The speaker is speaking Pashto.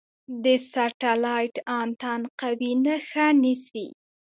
د سټلایټ انتن قوي نښه نیسي.